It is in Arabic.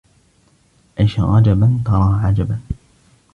عش رجبا ترى عجبا